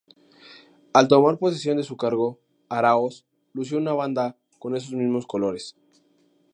Al tomar posesión de su cargo, Aráoz lució una banda con esos mismos colores.